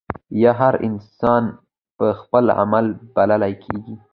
هر انسان پۀ خپل عمل بللے کيږي